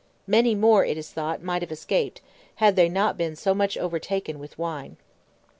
Many more, it is thought, might have escaped, had they not been so much overtaken with wine.